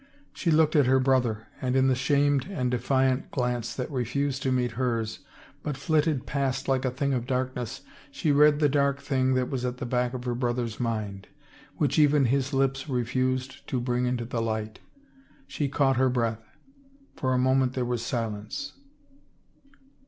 She looked at her brother and in the shamed and defiant glance that refused to meet hers but flitted past like a thing of darkness she read the dark thing that was at the back of her brother's mind, which even his lips refused to bring into the light. She caught her breath ; for a moment there was silence.